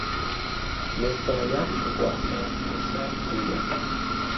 Mesa ya kutukwasa kusa ya kulia.